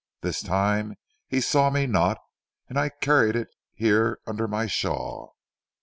This time he saw me not, and I carried it here under my shawl."